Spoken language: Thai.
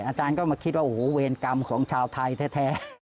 อาจารย์ก็มาคิดว่าโอ้โหเวรกรรมของชาวไทยแท้